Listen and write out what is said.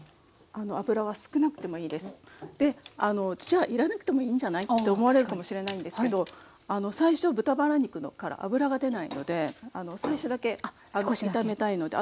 じゃあ入れなくてもいいんじゃないって思われるかもしれないんですけど最初豚バラ肉から脂が出ないので最初だけ炒めたいので。